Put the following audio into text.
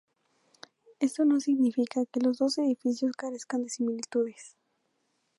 Esto no significa que los dos edificios carezcan de similitudes.